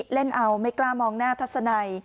เล่นเอาไม่กล้ามองหน้าทัศนัย